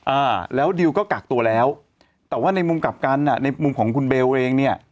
อ่าแล้วดิวก็กักตัวแล้วแต่ว่าในมุมกลับกันอ่ะในมุมของคุณเบลเองเนี่ย